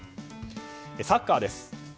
サッカーです。